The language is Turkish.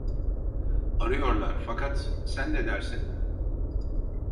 Arıyorlar, fakat sen ne dersin?